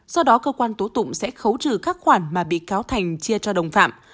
do đó cơ quan tố tụng sẽ khấu trừ các khoản mà bị cáo thành chia cho đồng phạm